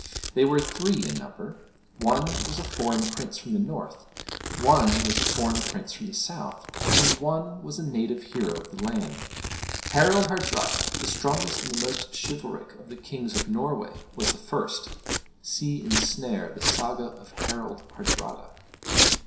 They were three in number. One was a foreign prince from the North. One was a foreign prince from the South: and one was a native hero of the land. Harald Hardrada, the strongest and the most chivalric of the kings of Norway, was the first; [See in Snerre the Saga of Harald Hardrada.